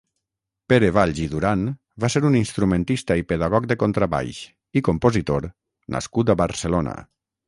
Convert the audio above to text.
Pere Valls i Duran va ser un instrumentista i pedagog de contrabaix i compositor nascut a Barcelona.